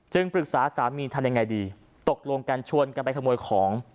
ปรึกษาสามีทำยังไงดีตกลงกันชวนกันไปขโมยของ